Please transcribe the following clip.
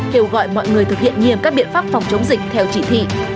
kêu gọi mọi người thực hiện nghiêm các biện pháp phòng chống dịch theo chỉ thị